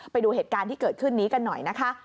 ไปดูเหตุการณ์ที่เกิดขึ้นนี้กันหน่อยนะคะ